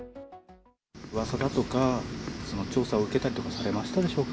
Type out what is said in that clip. うわさだとか、調査を受けたりとかされましたでしょうか。